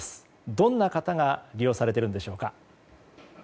どんな方が利用されているのでしょうか。